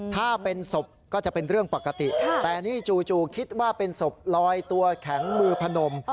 ถ้าเป็นศพก็จะเป็นเรื่องปกติแต่นี่จู่คิดว่าเป็นศพลอยตัวแข็งมือพนม